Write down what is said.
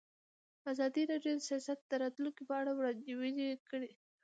ازادي راډیو د سیاست د راتلونکې په اړه وړاندوینې کړې.